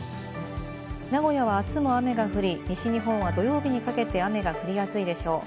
名古屋は、あすも雨が降り、西日本は土曜日にかけて雨が降りやすいでしょう。